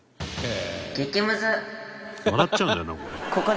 「笑っちゃうんだよなこれ」